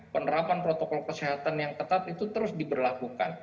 penerapan protokol kesehatan yang ketat itu terus diberlakukan